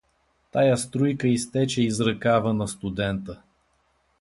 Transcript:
Тая струйка изтече из ръкава на студента.